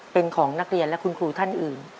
เป็นของนักเรียนและคุณครูท่านอื่น